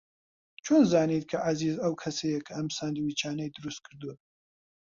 چۆن زانیت کە عەزیز ئەو کەسەیە کە ئەم ساندویچانەی دروست کردووە؟